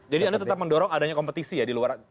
jadi anda tetap mendorong adanya kompetisi ya di luar